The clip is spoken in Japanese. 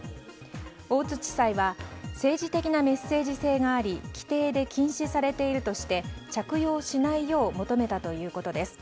大津地裁は政治的なメッセージ性があり規定で禁止されているとして着用しないよう求めたということです。